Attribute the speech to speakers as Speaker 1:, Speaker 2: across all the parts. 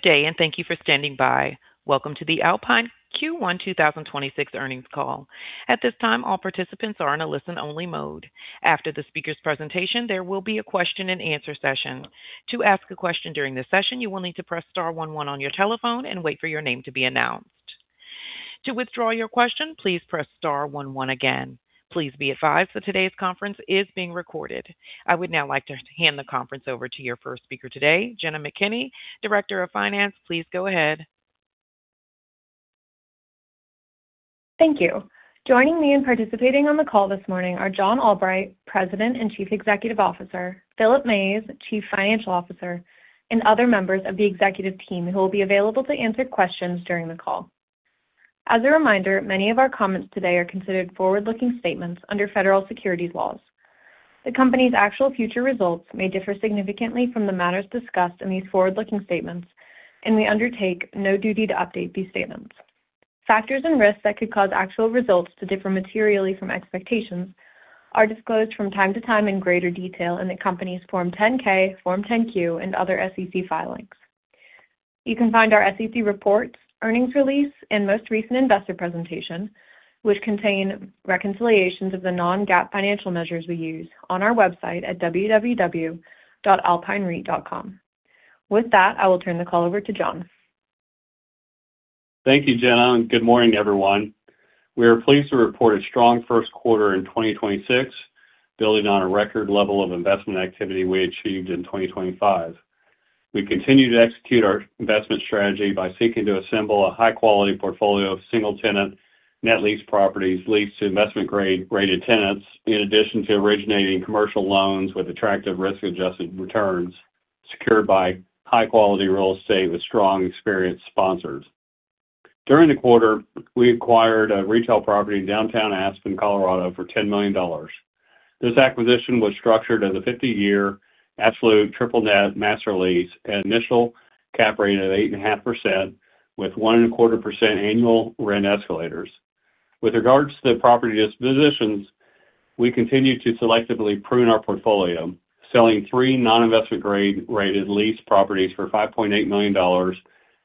Speaker 1: Good day, and thank you for standing by. Welcome to the Alpine Q1 2026 earnings call. At this time, all participants are in a listen-only mode. After the speaker's presentation, there will be a question and answer session. To ask a question during this session, you will need to press star one one on your telephone and wait for your name to be announced. To withdraw your question, please press star one one again. Please be advised that today's conference is being recorded. I would now like to hand the conference over to your first speaker today, Jenna McKinney, Director of Finance. Please go ahead.
Speaker 2: Thank you. Joining me in participating on the call this morning are John Albright, President and Chief Executive Officer, Philip Mays, Chief Financial Officer, and other members of the executive team who will be available to answer questions during the call. As a reminder, many of our comments today are considered forward-looking statements under Federal Securities laws. The company's actual future results may differ significantly from the matters discussed in these forward-looking statements, and we undertake no duty to update these statements. Factors and risks that could cause actual results to differ materially from expectations are disclosed from time to time in greater detail in the company's Form 10-K, Form 10-Q, and other SEC filings. You can find our SEC reports, earnings release, and most recent investor presentation, which contain reconciliations of the non-GAAP financial measures we use on our website at www.alpinereit.com. With that, I will turn the call over to John.
Speaker 3: Thank you, Jenna, and good morning, everyone. We are pleased to report a strong first quarter in 2026, building on a record level of investment activity we achieved in 2025. We continue to execute our investment strategy by seeking to assemble a high-quality portfolio of single-tenant net lease properties leased to investment grade-rated tenants, in addition to originating commercial loans with attractive risk-adjusted returns secured by high-quality real estate with strong, experienced sponsors. During the quarter, we acquired a retail property in downtown Aspen, Colorado, for $10 million. This acquisition was structured as a 50-year absolute triple net master lease at initial cap rate of 8.5% with 1.25% annual rent escalators. With regards to the property dispositions, we continue to selectively prune our portfolio, selling three non-investment grade-rated lease properties for $5.8 million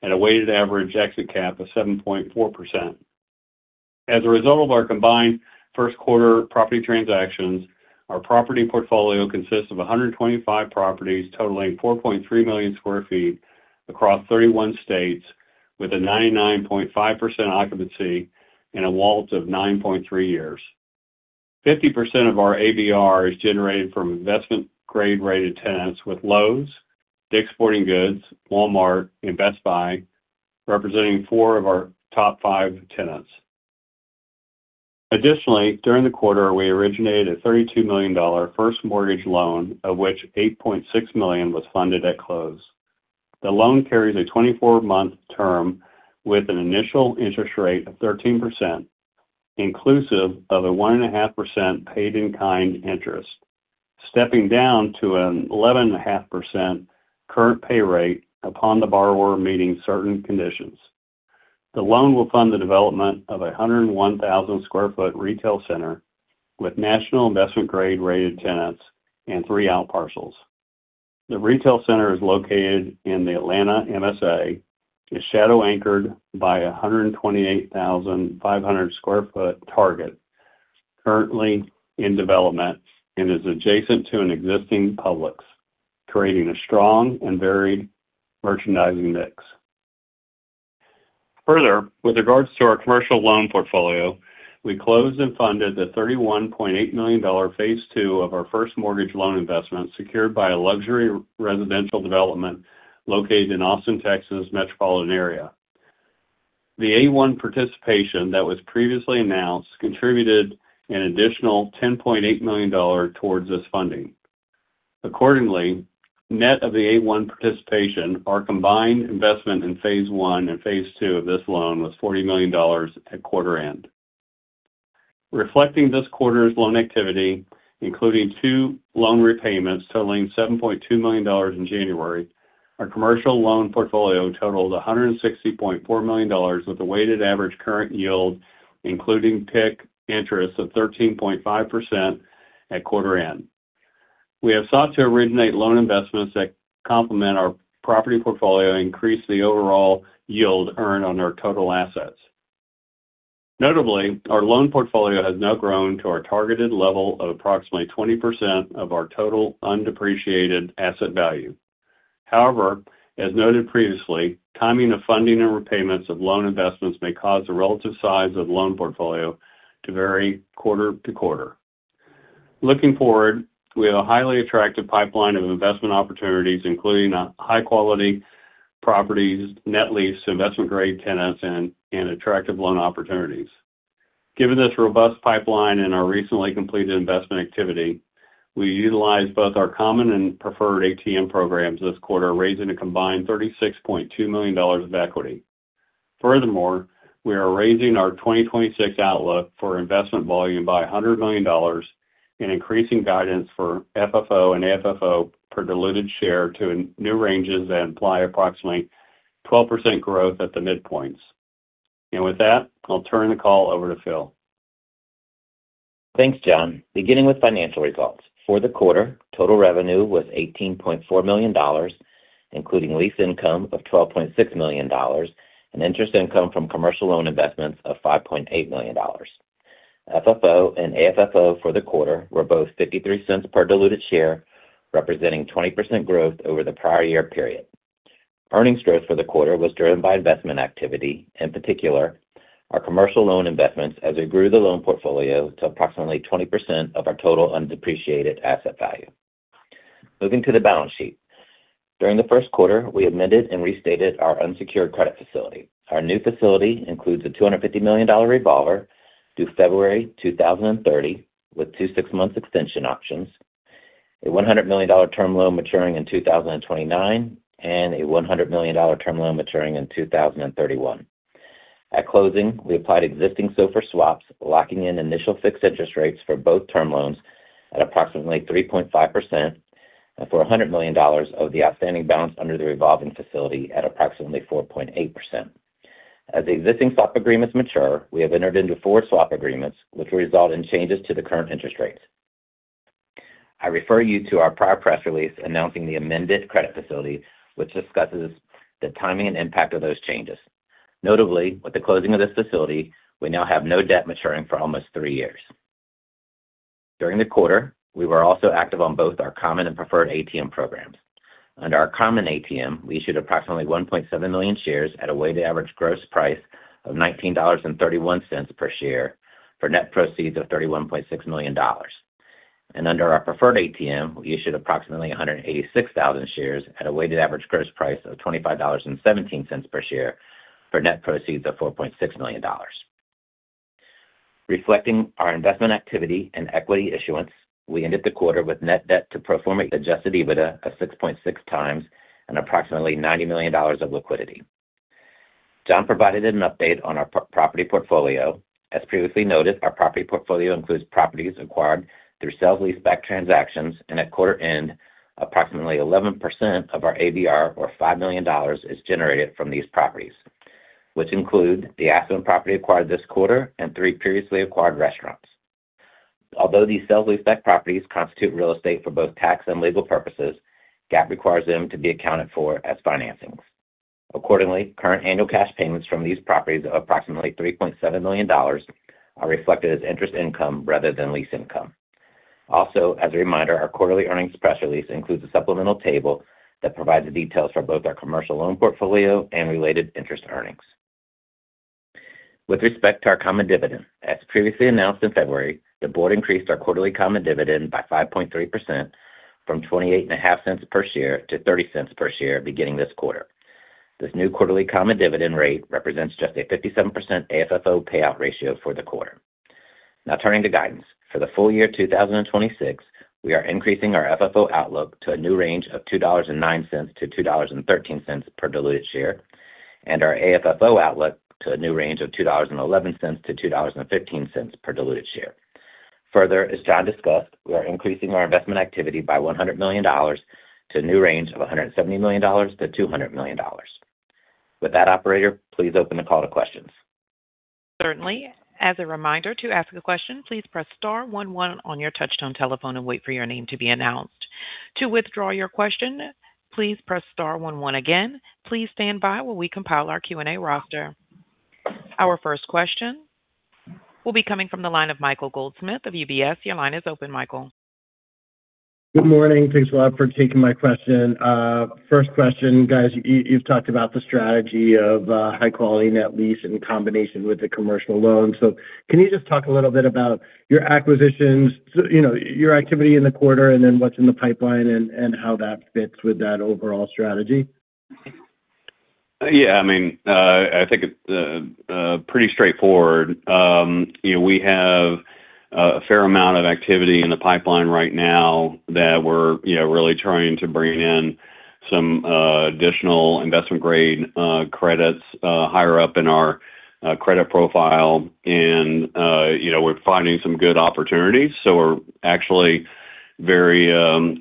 Speaker 3: at a weighted average exit cap of 7.4%. As a result of our combined first quarter property transactions, our property portfolio consists of 125 properties totaling 4.3 million sq ft across 31 states with a 99.5% occupancy and a WALT of 9.3 years. 50% of our ABR is generated from investment grade-rated tenants with Lowe's, Dick's Sporting Goods, Walmart and Best Buy representing four of our top five tenants. Additionally, during the quarter, we originated a $32 million first mortgage loan, of which $8.6 million was funded at close. The loan carries a 24-month term with an initial interest rate of 13%, inclusive of a 1.5% paid in kind interest, stepping down to an 11.5% current pay rate upon the borrower meeting certain conditions. The loan will fund the development of a 101,000 sq ft retail center with national investment grade-rated tenants and three out parcels. The retail center is located in the Atlanta MSA, is shadow anchored by a 128,500 sq ft Target currently in development and is adjacent to an existing Publix, creating a strong and varied merchandising mix. Further, with regards to our commercial loan portfolio, we closed and funded the $31.8 million phase two of our first mortgage loan investment secured by a luxury residential development located in Austin, Texas metropolitan area. The A-1 participation that was previously announced contributed an additional $10.8 million towards this funding. Accordingly, net of the A-1 participation, our combined investment in phase one and phase two of this loan was $40 million at quarter end. Reflecting this quarter's loan activity, including two loan repayments totaling $7.2 million in January, our commercial loan portfolio totaled $160.4 million with a weighted average current yield including PIK interest of 13.5% at quarter end. We have sought to originate loan investments that complement our property portfolio and increase the overall yield earned on our total assets. Notably, our loan portfolio has now grown to our targeted level of approximately 20% of our total undepreciated asset value. However, as noted previously, timing of funding and repayments of loan investments may cause the relative size of loan portfolio to vary quarter-to-quarter. Looking forward, we have a highly attractive pipeline of investment opportunities, including high-quality properties, net lease investment grade tenants, and attractive loan opportunities. Given this robust pipeline and our recently completed investment activity, we utilized both our common and preferred ATM programs this quarter, raising a combined $36.2 million of equity. Furthermore, we are raising our 2026 outlook for investment volume by $100 million and increasing guidance for FFO and AFFO per diluted share to new ranges that imply approximately 12% growth at the midpoints. With that, I'll turn the call over to Phil.
Speaker 4: Thanks, John. Beginning with financial results. For the quarter, total revenue was $18.4 million, including lease income of $12.6 million, and interest income from commercial loan investments of $5.8 million. FFO and AFFO for the quarter were both $0.53/diluted share, representing 20% growth over the prior year period. Earnings growth for the quarter was driven by investment activity, in particular, our commercial loan investments, as we grew the loan portfolio to approximately 20% of our total undepreciated asset value. Moving to the balance sheet. During the first quarter, we amended and restated our unsecured credit facility. Our new facility includes a $250 million revolver due February 2030 with two six-month extension options, a $100 million term loan maturing in 2029, and a $100 million term loan maturing in 2031. At closing, we applied existing SOFR swaps, locking in initial fixed interest rates for both term loans at approximately 3.5% for $100 million of the outstanding balance under the revolving facility at approximately 4.8%. As the existing swap agreements mature, we have entered into four swap agreements, which will result in changes to the current interest rates. I refer you to our prior press release announcing the amended credit facility, which discusses the timing and impact of those changes. Notably, with the closing of this facility, we now have no debt maturing for almost three years. During the quarter, we were also active on both our common and preferred ATM programs. Under our common ATM, we issued approximately 1.7 million shares at a weighted average gross price of $19.31/share for net proceeds of $31.6 million. Under our preferred ATM, we issued approximately 186,000 shares at a weighted average gross price of $25.17/share for net proceeds of $4.6 million. Reflecting our investment activity and equity issuance, we ended the quarter with net debt to pro forma adjusted EBITDA of 6.6x and approximately $90 million of liquidity. John provided an update on our property portfolio. As previously noted, our property portfolio includes properties acquired through sale leaseback transactions, and at quarter end, approximately 11% of our ABR or $5 million is generated from these properties, which include the Aspen property acquired this quarter and three previously acquired restaurants. Although these sale leaseback properties constitute real estate for both tax and legal purposes, GAAP requires them to be accounted for as financings. Accordingly, current annual cash payments from these properties of approximately $3.7 million are reflected as interest income rather than lease income. As a reminder, our quarterly earnings press release includes a supplemental table that provides the details for both our commercial loan portfolio and related interest earnings. With respect to our common dividend, as previously announced in February, the board increased our quarterly common dividend by 5.3% from $0.285/share to $0.30/share beginning this quarter. This new quarterly common dividend rate represents just a 57% AFFO payout ratio for the quarter. Now turning to guidance. For the full year 2026, we are increasing our FFO outlook to a new range of $2.09-$2.13/diluted share, and our AFFO outlook to a new range of $2.11-$2.15/diluted share. Further, as John discussed, we are increasing our investment activity by $100 million to a new range of $170 million-$200 million. With that, Operator, please open the call to questions.
Speaker 1: Certainly. As a reminder, to ask a question, please press star one one on your touchtone telephone and wait for your name to be announced. To withdraw your question, please press star one one again. Please stand by while we compile our Q&A roster. Our first question will be coming from the line of Michael Goldsmith of UBS. Your line is open, Michael.
Speaker 5: Good morning. Thanks a lot for taking my question. First question, guys. You've talked about the strategy of high-quality net lease in combination with the commercial loan. Can you just talk a little bit about your acquisitions, your activity in the quarter, and then what's in the pipeline and how that fits with that overall strategy?
Speaker 3: Yeah. I think it's pretty straightforward. We have a fair amount of activity in the pipeline right now that we're really trying to bring in some additional investment-grade credits higher up in our credit profile, and we're finding some good opportunities. We're actually very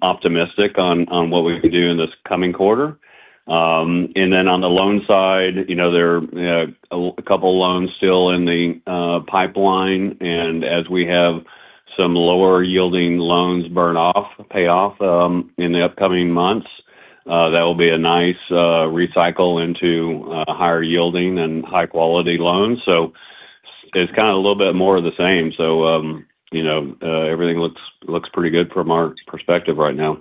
Speaker 3: optimistic on what we can do in this coming quarter. On the loan side, there are a couple loans still in the pipeline. As we have some lower yielding loans burn off, pay off in the upcoming months, that will be a nice recycle into higher yielding and high-quality loans. It's kind of a little bit more of the same. Everything looks pretty good from our perspective right now.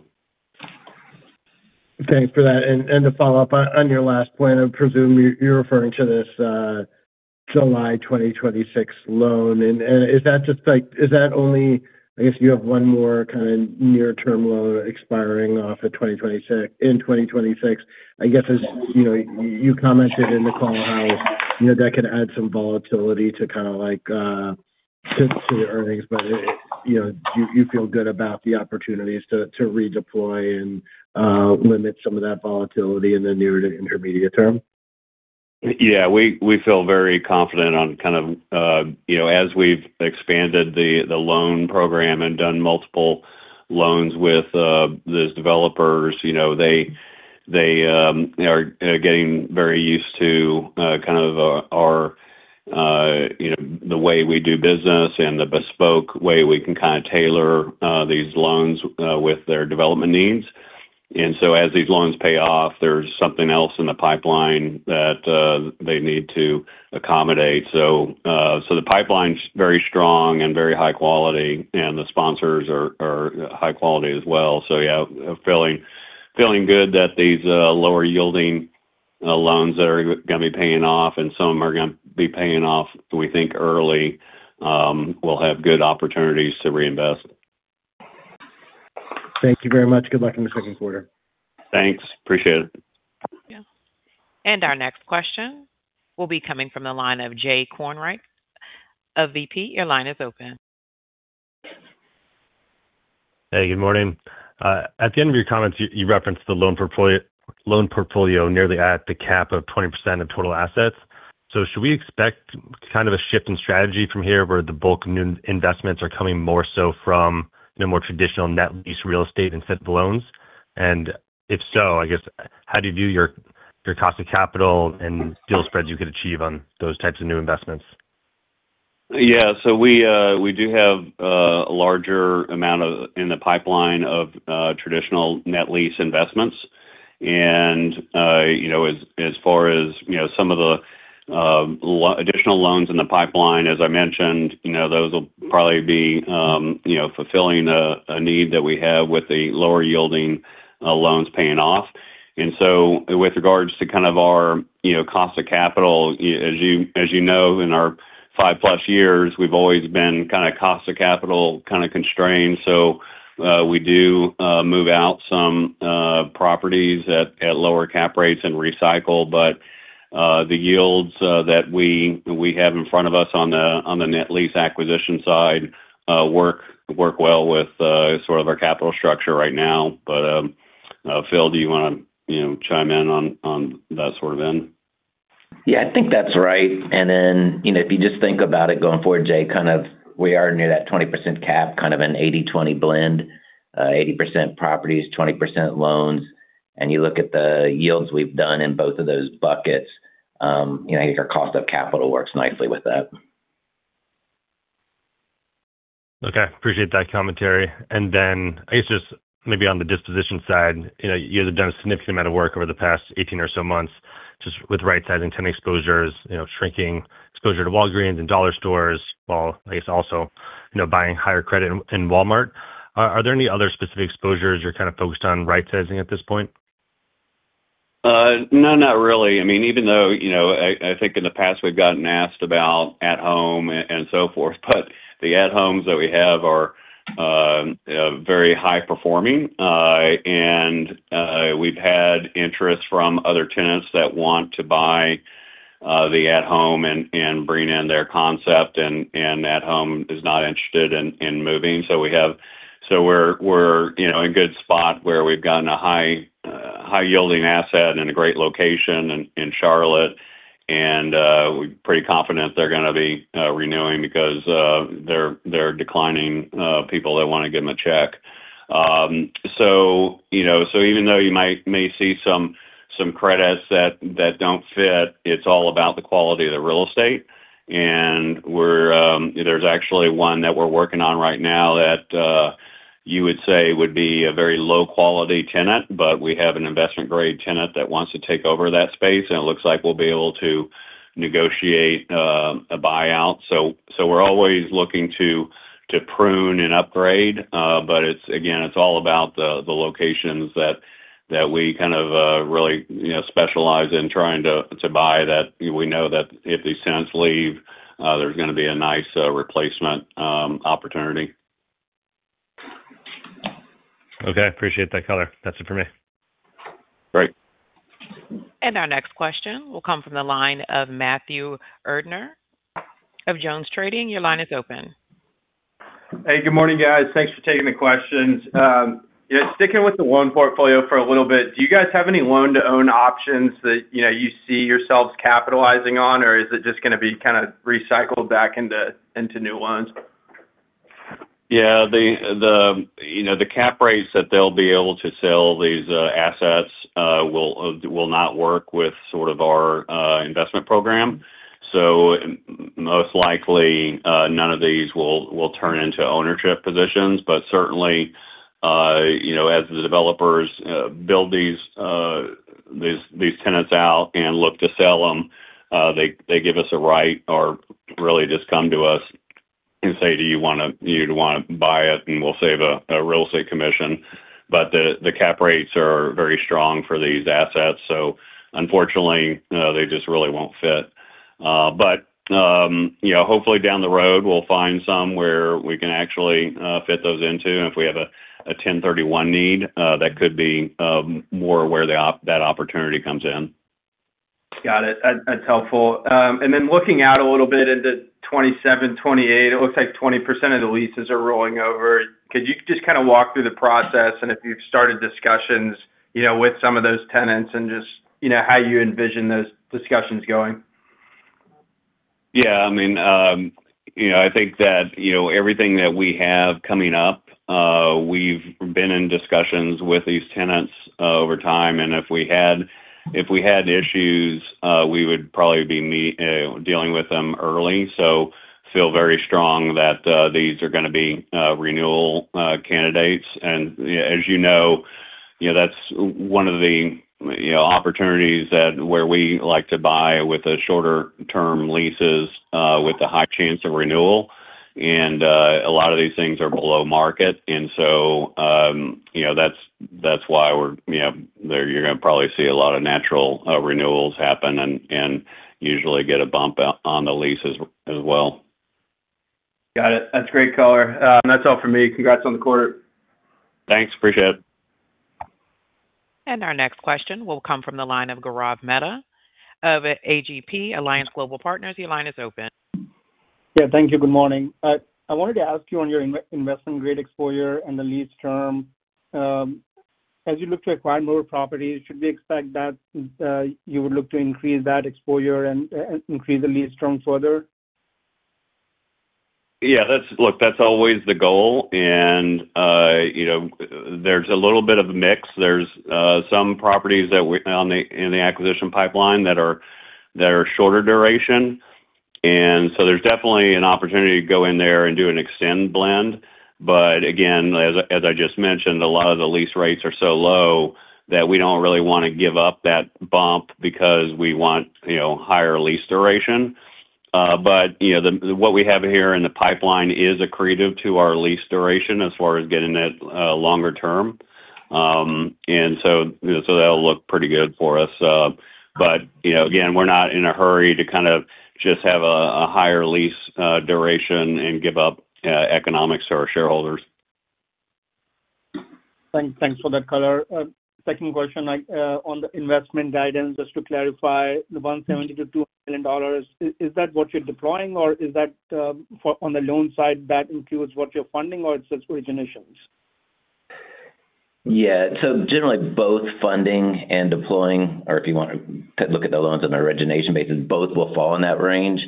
Speaker 5: Thanks for that. To follow up on your last point, I presume you're referring to this July 2026 loan. Is that only, I guess, you have one more kind of near-term loan expiring off in 2026. I guess as you commented in the call how that could add some volatility to the earnings, but do you feel good about the opportunities to redeploy and limit some of that volatility in the near to intermediate term?
Speaker 3: Yeah. We feel very confident on kind of as we've expanded the loan program and done multiple loans with these developers, they They are getting very used to kind of the way we do business and the bespoke way we can kind of tailor these loans with their development needs. As these loans pay off, there's something else in the pipeline that they need to accommodate. The pipeline's very strong and very high quality, and the sponsors are high quality as well. Yeah. Feeling good that these lower yielding loans that are going to be paying off, we think, early. We'll have good opportunities to reinvest.
Speaker 5: Thank you very much. Good luck in the second quarter.
Speaker 3: Thanks. Appreciate it.
Speaker 1: Yeah. Our next question will be coming from the line of Jay Kornreich, VP. Your line is open.
Speaker 6: Hey, good morning. At the end of your comments, you referenced the loan portfolio nearly at the cap of 20% of total assets. Should we expect kind of a shift in strategy from here where the bulk of new investments are coming more so from the more traditional net lease real estate instead of the loans? And if so, I guess, how do you view your cost of capital and deal spreads you could achieve on those types of new investments?
Speaker 3: Yeah. We do have a larger amount in the pipeline of traditional net lease investments. As far as some of the additional loans in the pipeline, as I mentioned, those will probably be fulfilling a need that we have with the lower yielding loans paying off. With regards to kind of our cost of capital, as you know, in our 5+ years, we've always been kind of cost of capital, kind of constrained. We do move out some properties at lower cap rates and recycle, but the yields that we have in front of us on the net lease acquisition side work well with sort of our capital structure right now. Philip, do you want to chime in on that sort of end?
Speaker 4: Yeah, I think that's right. Then, if you just think about it going forward, Jay, kind of we are near that 20% cap, kind of an 80/20 blend, 80% properties, 20% loans. You look at the yields we've done in both of those buckets. I think our cost of capital works nicely with that.
Speaker 6: Okay. I appreciate that commentary. Then I guess just maybe on the disposition side, you guys have done a significant amount of work over the past 18 or so months just with right-sizing tenant exposures, shrinking exposure to Walgreens and dollar stores, while I guess also buying higher credit in Walmart. Are there any other specific exposures you're kind of focused on right-sizing at this point?
Speaker 3: No, not really. Even though, I think in the past we've gotten asked about At Home and so forth, but the At Homes that we have are very high performing. We've had interest from other tenants that want to buy the At Home and bring in their concept, and At Home is not interested in moving. We're in a good spot where we've gotten a high yielding asset in a great location in Charlotte, and we're pretty confident they're going to be renewing because they're declining people that want to give them a check. Even though you may see some credits that don't fit, it's all about the quality of the real estate. There's actually one that we're working on right now that you would say would be a very low-quality tenant, but we have an investment-grade tenant that wants to take over that space, and it looks like we'll be able to negotiate a buyout. We're always looking to prune and upgrade. It's all about the locations that we kind of really specialize in trying to buy that we know that if these tenants leave, there's going to be a nice replacement opportunity.
Speaker 6: Okay. Appreciate that color. That's it for me.
Speaker 3: Great.
Speaker 1: Our next question will come from the line of Matthew Erdner of JonesTrading. Your line is open.
Speaker 7: Hey, good morning, guys. Thanks for taking the questions. Yeah, sticking with the loan portfolio for a little bit, do you guys have any loan-to-own options that you see yourselves capitalizing on, or is it just going to be kind of recycled back into new loans?
Speaker 3: Yeah. The cap rates that they'll be able to sell these assets will not work with sort of our investment program. Most likely, none of these will turn into ownership positions. Certainly, as the developers build these tenants out and look to sell them, they give us a right or really just come to us and say, "Do you want to buy it, and we'll save a real estate commission." The cap rates are very strong for these assets, so unfortunately, they just really won't fit. Hopefully down the road, we'll find some where we can actually fit those into. If we have a 1031 need, that could be more where that opportunity comes in.
Speaker 7: Got it. That's helpful. Looking out a little bit into 2027, 2028, it looks like 20% of the leases are rolling over. Could you just kind of walk through the process and if you've started discussions with some of those tenants and just how you envision those discussions going?
Speaker 3: Yeah. I think that everything that we have coming up, we've been in discussions with these tenants over time, and if we had issues, we would probably be dealing with them early. I feel very strong that these are going to be renewal candidates. As you know, that's one of the opportunities where we like to buy with the shorter term leases with the high chance of renewal. A lot of these things are below market, and so that's why you're going to probably see a lot of natural renewals happen and usually get a bump on the leases as well.
Speaker 7: Got it. That's great color. That's all for me. Congrats on the quarter.
Speaker 3: Thanks. Appreciate it.
Speaker 1: Our next question will come from the line of Gaurav Mehta of A.G.P., Alliance Global Partners. Your line is open.
Speaker 8: Yeah. Thank you. Good morning. I wanted to ask you on your investment-grade exposure and the lease term, as you look to acquire more properties, should we expect that you would look to increase that exposure and increase the lease term further?
Speaker 3: Yeah. Look, that's always the goal. There's a little bit of a mix. There's some properties in the acquisition pipeline that are shorter duration. There's definitely an opportunity to go in there and do an extend blend. Again, as I just mentioned, a lot of the lease rates are so low that we don't really want to give up that bump because we want higher lease duration. What we have here in the pipeline is accretive to our lease duration as far as getting that longer term. That'll look pretty good for us. Again, we're not in a hurry to kind of just have a higher lease duration and give up economics to our shareholders.
Speaker 8: Thanks for that color. Second question on the investment guidance, just to clarify the $170 million-$200 million, is that what you're deploying or is that on the loan side that includes what you're funding or it's just originations?
Speaker 4: Yeah. Generally both funding and deploying or if you want to look at the loans on an origination basis, both will fall in that range.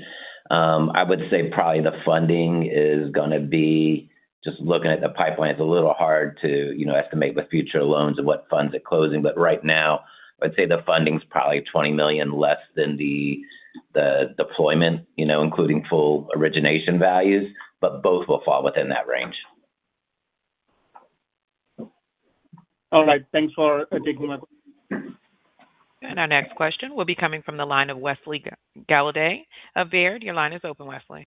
Speaker 4: I would say probably the funding is going to be just looking at the pipeline. It's a little hard to estimate the future loans and what funds are closing. Right now, I'd say the funding is probably $20 million less than the deployment including full origination values, but both will fall within that range.
Speaker 8: All right, thanks for taking my question.
Speaker 1: Our next question will be coming from the line of Wesley Golladay of Baird. Your line is open, Wesley.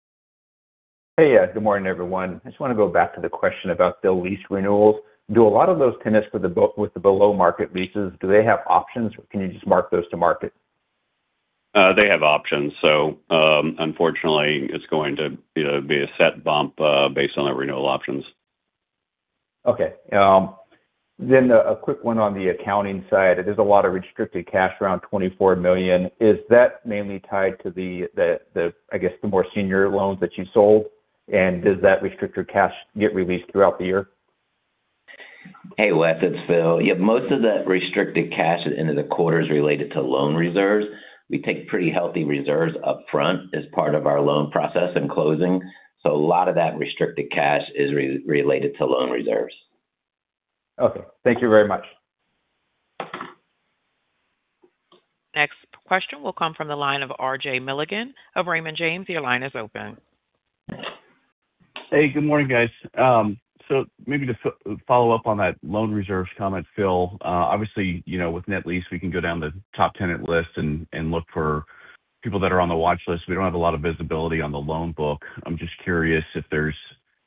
Speaker 9: Hey. Good morning, everyone. I just want to go back to the question about the lease renewals. Do a lot of those tenants with the below market leases, do they have options or can you just mark those to market?
Speaker 3: They have options. Unfortunately it's going to be a set bump based on the renewal options.
Speaker 9: Okay. A quick one on the accounting side. There's a lot of restricted cash around $24 million. Is that mainly tied to the more senior loans that you sold, and does that restricted cash get released throughout the year?
Speaker 4: Hey, Wes, it's Phil. Yeah, most of that restricted cash at the end of the quarter is related to loan reserves. We take pretty healthy reserves upfront as part of our loan process and closing. A lot of that restricted cash is related to loan reserves.
Speaker 9: Okay. Thank you very much.
Speaker 1: Next question will come from the line of RJ Milligan of Raymond James. Your line is open.
Speaker 10: Hey, good morning, guys. Maybe to follow up on that loan reserves comment, Phil. Obviously, with net lease, we can go down the top tenant list and look for people that are on the watch list. We don't have a lot of visibility on the loan book. I'm just curious if there's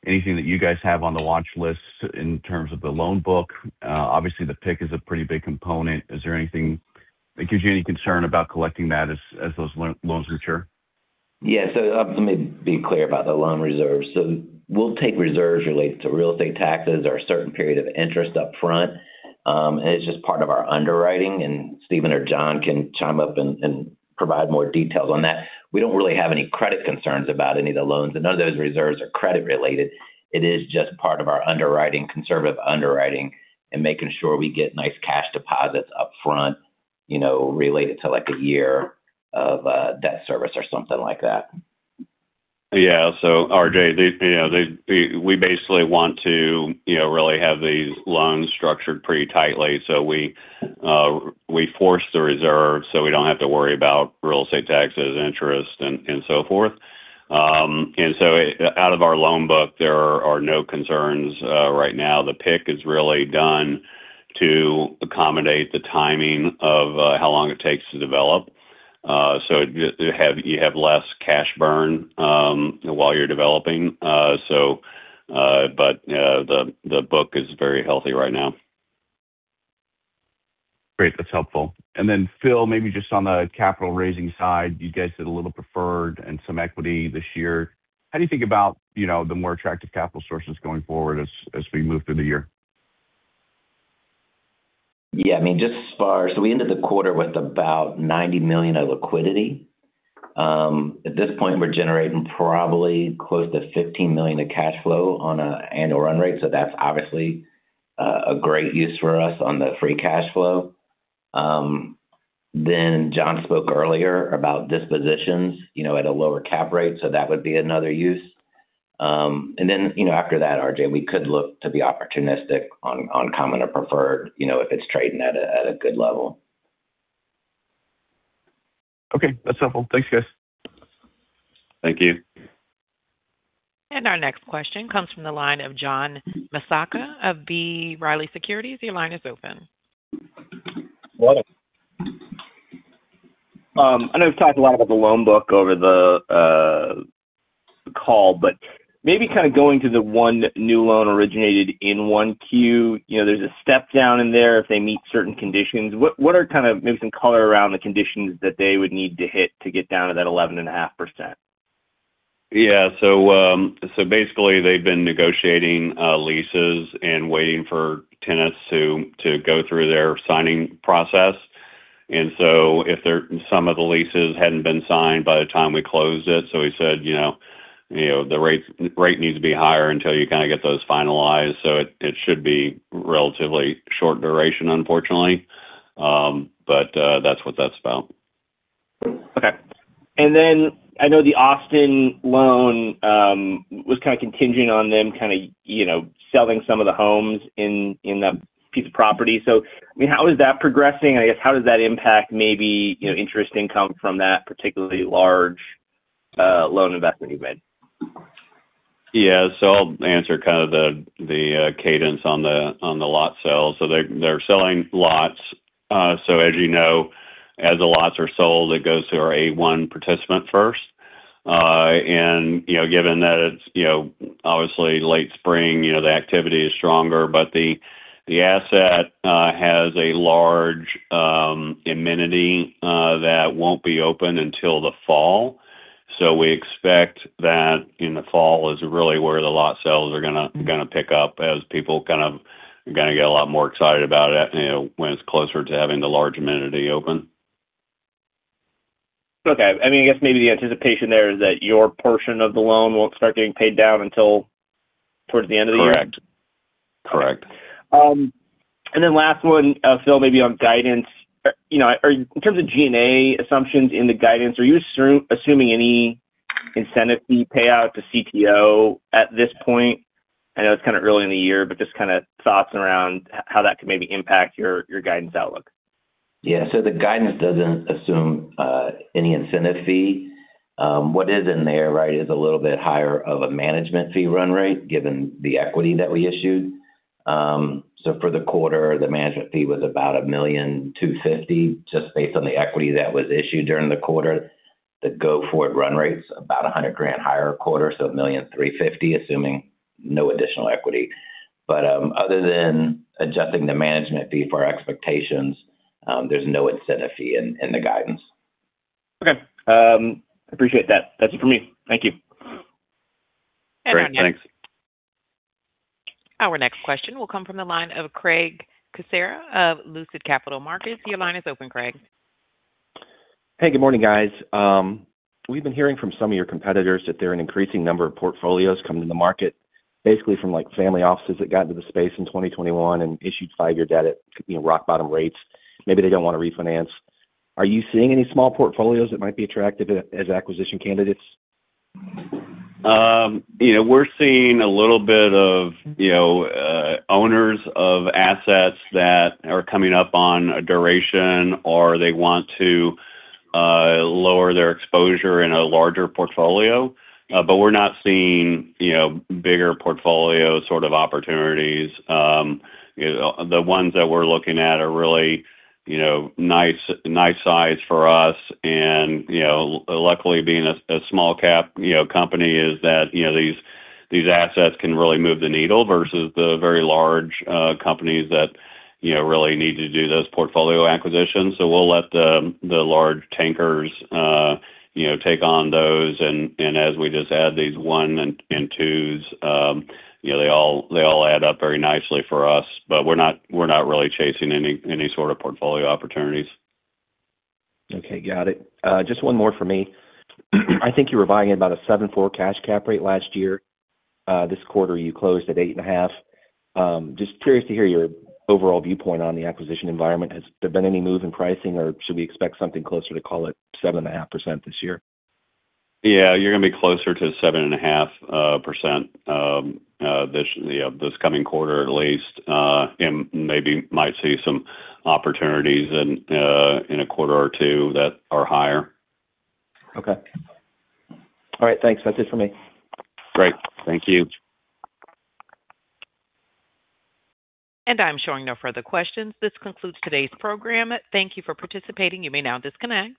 Speaker 10: anything that you guys have on the watch list in terms of the loan book. Obviously, the PIK is a pretty big component. Is there anything that gives you any concern about collecting that as those loans mature?
Speaker 4: Yeah. Let me be clear about the loan reserves. We'll take reserves related to real estate taxes or a certain period of interest upfront. It's just part of our underwriting, and Steven or John can chime in and provide more details on that. We don't really have any credit concerns about any of the loans. None of those reserves are credit related. It is just part of our underwriting, conservative underwriting, and making sure we get nice cash deposits upfront related to like a year of debt service or something like that.
Speaker 3: Yeah. RJ, we basically want to really have these loans structured pretty tightly. We force the reserve, so we don't have to worry about real estate taxes, interest, and so forth. Out of our loan book, there are no concerns right now. The PIK is really done to accommodate the timing of how long it takes to develop. You have less cash burn while you're developing. The book is very healthy right now.
Speaker 10: Great. That's helpful. Phil, maybe just on the capital raising side, you guys did a little preferred and some equity this year. How do you think about the more attractive capital sources going forward as we move through the year?
Speaker 4: Yeah, we ended the quarter with about $90 million of liquidity. At this point, we're generating probably close to $15 million of cash flow on an annual run rate. That's obviously a great use for us on the free cash flow. John spoke earlier about dispositions at a lower cap rate, so that would be another use. After that, RJ, we could look to be opportunistic on common or preferred if it's trading at a good level.
Speaker 10: Okay, that's helpful. Thanks, guys.
Speaker 3: Thank you.
Speaker 1: Our next question comes from the line of John Massocca of B. Riley Securities. Your line is open.
Speaker 11: Good morning. I know we've talked a lot about the loan book over the call, but maybe kind of going to the one new loan originated in 1Q, there's a step down in there if they meet certain conditions. What are, kind of maybe some color around the conditions that they would need to hit to get down to that 11.5%?
Speaker 3: Yeah. Basically, they've been negotiating leases and waiting for tenants to go through their signing process. If some of the leases hadn't been signed by the time we closed it, we said, the rate needs to be higher until you kind of get those finalized. It should be relatively short duration, unfortunately. That's what that's about.
Speaker 11: Okay. I know the Austin loan was kind of contingent on them selling some of the homes in the piece of property. How is that progressing? I guess, how does that impact maybe interest income from that particularly large loan investment you made?
Speaker 3: Yeah. I'll answer kind of the cadence on the lot sale. They're selling lots. As you know, as the lots are sold, it goes to our A-1 participant first. Given that it's obviously late spring, the activity is stronger, but the asset has a large amenity that won't be open until the fall. We expect that in the fall is really where the lot sales are going to pick up as people kind of get a lot more excited about it when it's closer to having the large amenity open.
Speaker 11: Okay. I guess maybe the anticipation there is that your portion of the loan won't start getting paid down until towards the end of the year?
Speaker 3: Correct.
Speaker 11: Last one, Phil, maybe on guidance. In terms of G&A assumptions in the guidance, are you assuming any incentive fee payout to CTO at this point? I know it's kind of early in the year, but just kind of thoughts around how that could maybe impact your guidance outlook.
Speaker 4: Yeah. The guidance doesn't assume any incentive fee. What is in there, right, is a little bit higher of a management fee run rate given the equity that we issued. For the quarter, the management fee was about $1.250 million, just based on the equity that was issued during the quarter. The go-forward run rate's about $100,000 higher per quarter, $1.350 million, assuming no additional equity. Other than adjusting the management fee for our expectations, there's no incentive fee in the guidance.
Speaker 11: Okay. I appreciate that. That's it for me. Thank you.
Speaker 3: Great. Thanks.
Speaker 1: Our next question will come from the line of Craig Kucera of Lucid Capital Markets. Your line is open, Craig.
Speaker 12: Hey, good morning, guys. We've been hearing from some of your competitors that there are an increasing number of portfolios coming to the market, basically from family offices that got into the space in 2021 and issued five-year debt at rock bottom rates. Maybe they don't want to refinance. Are you seeing any small portfolios that might be attractive as acquisition candidates?
Speaker 3: We're seeing a little bit of owners of assets that are coming up on a duration, or they want to lower their exposure in a larger portfolio. We're not seeing bigger portfolio sort of opportunities. The ones that we're looking at are really nice size for us, and luckily, being a small-cap company is that these assets can really move the needle versus the very large companies that really need to do those portfolio acquisitions. We'll let the large tankers take on those, and as we just add these one and twos, they all add up very nicely for us. We're not really chasing any sort of portfolio opportunities.
Speaker 12: Okay, got it. Just one more for me. I think you were buying at about a 7.4% cash cap rate last year. This quarter, you closed at 8.5%. Just curious to hear your overall viewpoint on the acquisition environment. Has there been any move in pricing, or should we expect something closer to, call it, 7.5% this year?
Speaker 3: Yeah, you're going to be closer to 7.5%, this coming quarter at least. Maybe might see some opportunities in a quarter or two that are higher.
Speaker 12: Okay. All right, thanks. That's it for me.
Speaker 3: Great. Thank you.
Speaker 1: I'm showing no further questions. This concludes today's program. Thank you for participating. You may now disconnect.